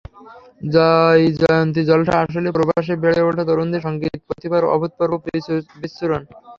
জয়জয়ন্তী জলসা আসলে প্রবাসে বেড়ে ওঠা তরুণদের সংগীত প্রতিভার অভূতপূর্ব বিচ্ছুরণ।